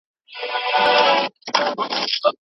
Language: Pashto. ګوربت په هوا کي خپل وزرونه داسي خپاره کړل